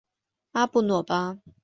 阿布诺巴。